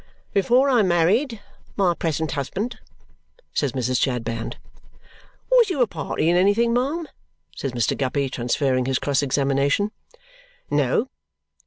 "Before I married my present husband," says Mrs. Chadband. "Was you a party in anything, ma'am?" says Mr. Guppy, transferring his cross examination. "No."